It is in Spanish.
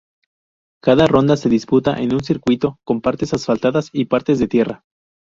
Cada ronda se disputa en un circuito con partes asfaltadas y partes de tierra.